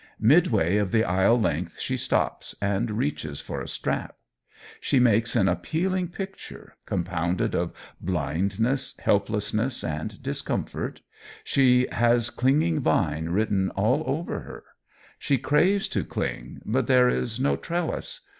Midway of the aisle length she stops and reaches for a strap. She makes an appealing picture, compounded of blindness, helplessness, and discomfort. She has clinging vine written all over her. She craves to cling, but there is no trellis.